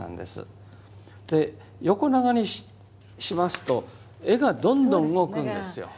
横長にしますと絵がどんどん動くんですよ。